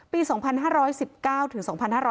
ปี๒๕๑๙ถึง๒๕๕๙